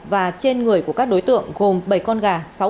và trên người của các đối tượng gồm bảy con gà